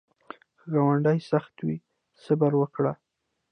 که ګاونډی سخت وي، ته صبر وکړه